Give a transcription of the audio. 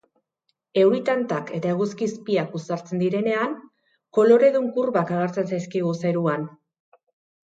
Euri tantak eta eguzki izpiak uztartzen direnean, koloredun kurbak agertzen zaizkigu zeruan.